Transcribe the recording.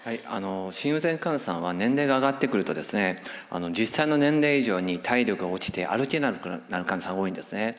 心不全患者さんは年齢が上がってくると実際の年齢以上に体力が落ちて歩けなくなる患者さんが多いんですね。